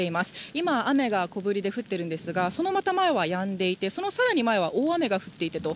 今、雨が小降りで降っているんですが、そのまた前はやんでいて、そのさらに前は大雨が降っていたと。